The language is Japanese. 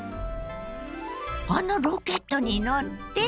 あのロケットに乗って？